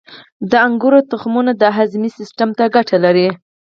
• د انګورو تخمونه د هاضمې سیستم ته ګټه لري.